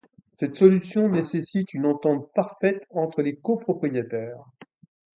Cette solution nécessite une entente parfaite entre les copropriétaires.